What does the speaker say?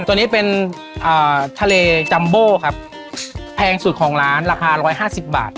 ตัวนี้เป็นทะเลจัมโบครับแพงสุดของร้านราคา๑๕๐บาท